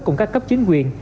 cùng các cấp chính quyền